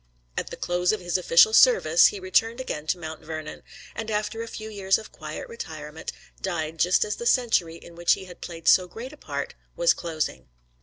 At the close of his official service he returned again to Mount Vernon, and, after a few years of quiet retirement, died just as the century in which he had played so great a part was closing.